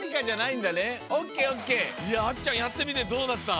いやあっちゃんやってみてどうだった？